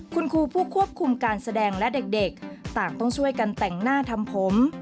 คุณครูผู้ควบคุมการแสดงและเด็กต่างต้องช่วยกันแต่งหน้าทำผม